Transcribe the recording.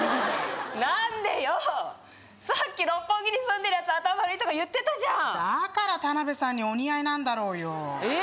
なんでよさっき六本木に住んでるやつ頭悪いとか言ってたじゃんだから田辺さんにお似合いなんだろうよえっ？